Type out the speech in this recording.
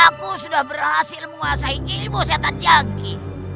aku sudah berhasil menguasai dirimu setan jangki